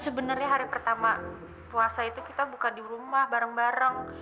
sebenarnya hari pertama puasa itu kita buka di rumah bareng bareng